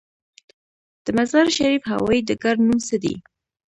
د مزار شریف هوايي ډګر نوم څه دی؟